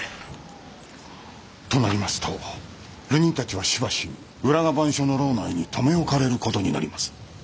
となりますと流人たちはしばし浦賀番所の牢内に留め置かれる事になります。